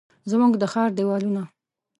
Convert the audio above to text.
زموږ د ښار دیوالونه،